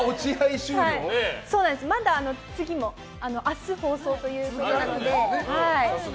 まだ次も明日放送ということなので。